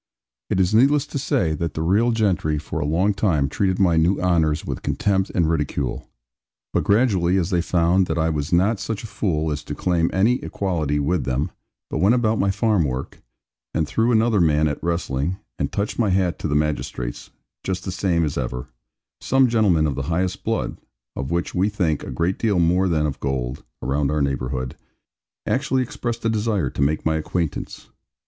It is needless to say that the real gentry for a long time treated my new honours with contempt and ridicule; but gradually as they found that I was not such a fool as to claim any equality with them, but went about my farm work, and threw another man at wrestling, and touched my hat to the magistrates, just the same as ever; some gentlemen of the highest blood of which we think a great deal more than of gold, around our neighbourhood actually expressed a desire to make my acquaintance.